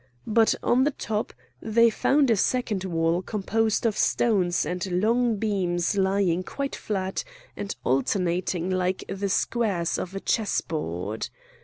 But on the top they found a second wall composed of stones and long beams lying quite flat and alternating like the squares on a chess board.